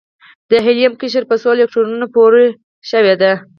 د هیلیم قشر په څو الکترونونو پوره شوی دی؟